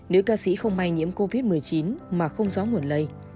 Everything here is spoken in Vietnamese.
nữ ca sĩ không may nhiễm covid một mươi chín mà không rõ nguồn lây